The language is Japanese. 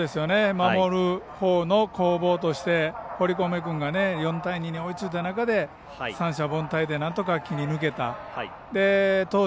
守るほうの攻防として堀米君が４対２に追いついた中で三者凡退でなんとか切り抜けた。